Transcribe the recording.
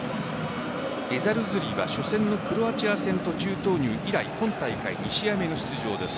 エザルズリは初戦のクロアチア戦途中投入以来今大会２試合目の出場です。